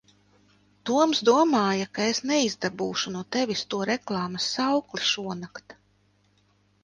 Toms domāja, ka es neizdabūšu no tevis to reklāmas saukli šonakt.